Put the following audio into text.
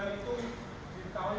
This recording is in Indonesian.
bila aku memperanggarkan